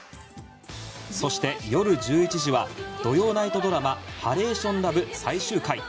そして夜１１時は土曜ナイトドラマ「ハレーションラブ」最終回。